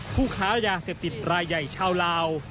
ผู้ค้ายาเสพติดรายใหญ่ชาวลาว